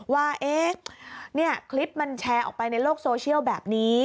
ว่าคลิปมันแชร์ออกไปในโลกโซเชียลแบบนี้